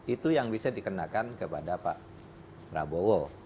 itu yang bisa dikenakan kepada pak prabowo